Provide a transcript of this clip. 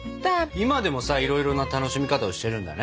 今でもさいろいろな楽しみ方をしてるんだね。